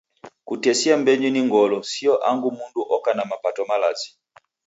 Kutesia m'mbenyu ni ngolo, sio angu mundu oka na mapato malazi.